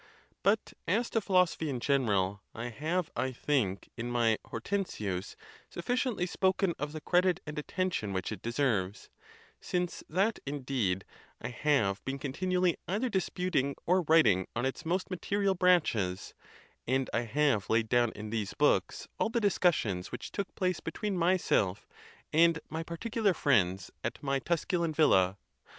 But as to philosophy in general, I have, I think, in my Hortensius, sufficiently spoken of the credit and attention which it deserves: since that, indeed, I have been contin ually either disputing or writing on its most material branches; and I have laid down in these books all the dis cussions which took place between myself and my particu lar friends at my Tusculan villa.